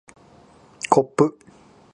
こっぷ